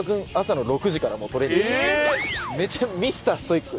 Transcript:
めっちゃミスターストイック。